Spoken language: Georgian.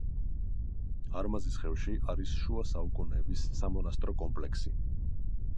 არმაზისხევში არის შუა საუკუნეების სამონასტრო კომპლექსი.